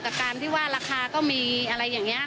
กับการที่ว่าราคาก็มีอะไรอย่างเงี้ยนะ